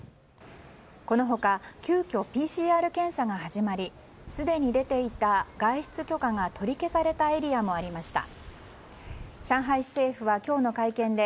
この他急きょ、ＰＣＲ検査が始まりすでに出ていた外出許可が取り消されたエリアもありました。